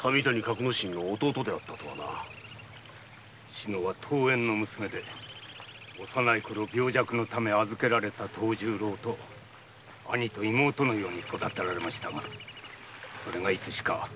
志乃は遠縁の娘で幼いころ病弱のため預けられた藤十郎と兄と妹のように育てられそれがいつしか恋心に変わったようです。